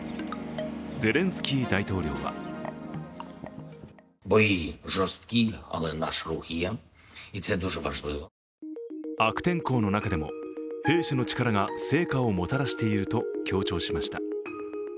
ゼレンスキー大統領は悪天候の中でも兵士の力が成果をもたらしていると強調しました。